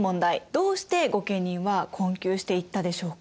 どうして御家人は困窮していったでしょうか？